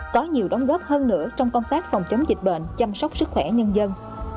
có nhiều đóng góp hơn nữa trong công tác phòng chống dịch bệnh chăm sóc sức khỏe nhân dân